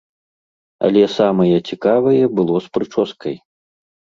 Але самае цікавае было з прычоскай.